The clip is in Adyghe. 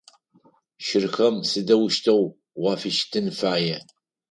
Щырхэм сыдэущтэу уафыщытын фая?